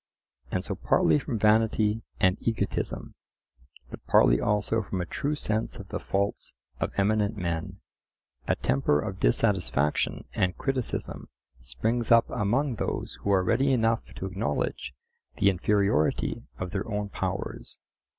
And so partly from vanity and egotism, but partly also from a true sense of the faults of eminent men, a temper of dissatisfaction and criticism springs up among those who are ready enough to acknowledge the inferiority of their own powers.